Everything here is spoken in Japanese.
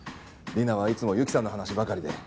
リナはいつも雪さんの話ばかりで。